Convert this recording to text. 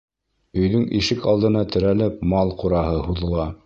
Өйҙөң ишек алдына терәлеп мал ҡураһы һуҙыла.